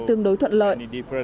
tương đối thuận lợi